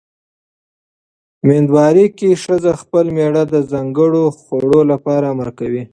مېندوارۍ کې ښځې خپل مېړه د ځانګړو خوړو لپاره امر کوي.